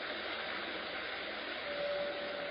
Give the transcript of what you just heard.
او یوې ښځي د واده کولو پيل وسو